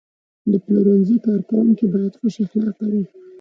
د پلورنځي کارکوونکي باید خوش اخلاقه وي.